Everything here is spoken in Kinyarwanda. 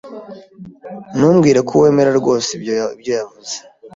Ntumbwire ko wemera rwose ibyo yavuze.